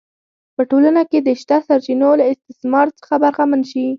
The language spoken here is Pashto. په ټولنه کې د شته سرچینو له استثمار څخه برخمن شي